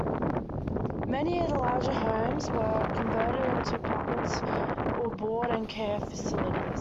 Many of the larger homes were converted into apartments or board and care facilities.